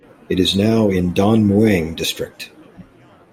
It is now in Don Mueang District.